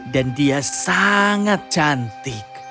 dan dia sangat cantik